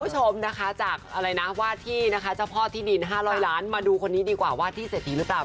คุณผู้ชมนะคะจากอะไรนะว่าที่นะคะเจ้าพ่อที่ดิน๕๐๐ล้านมาดูคนนี้ดีกว่าว่าที่เศรษฐีหรือเปล่า